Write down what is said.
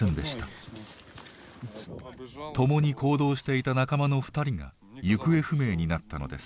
共に行動していた仲間の２人が行方不明になったのです。